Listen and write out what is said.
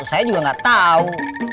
saya juga gak tau